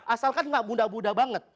asalkan tidak muda muda banget